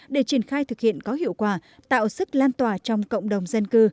để triển khai thực hiện có hiệu quả tạo sức lan tỏa trong cộng đồng dân cư